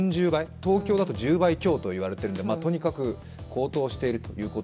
東京だと１０倍強といわれているので、とにかく高騰していると。